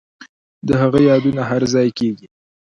د هغه یادونه هرځای کیږي